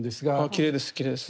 きれいですきれいです。